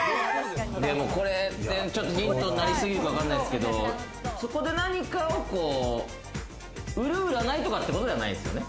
これってヒントになりすぎるかもしれないですけど、そこで何かを売る売らないとかってことではないですよね？